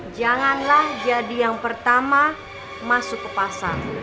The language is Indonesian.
janganlah jadi yang pertama masuk ke pasar